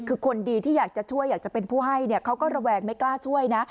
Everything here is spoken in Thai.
คือคนดีที่อยากจะช่วยอยากจะเป็นผู้ให้เขาก็ระแวงไม่กล้าช่วยนะ